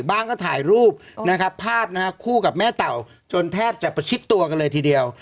บ้างก็ถ่ายรูปนะครับภาพนะฮะคู่กับแม่เต่าจนแทบจะประชิดตัวกันเลยทีเดียว